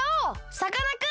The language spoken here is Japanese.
さかなクン！